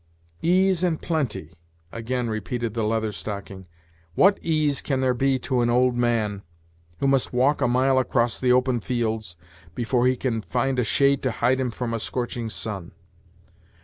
"Ease and plenty!" again repeated the Leather Stocking; "what ease can there be to an old man, who must walk a mile across the open fields, before he can find a shade to hide him from a scorching sun!